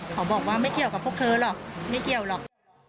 เขาบอกว่าไม่เกี่ยวกับพวกเธอหรอกไม่เกี่ยวหรอก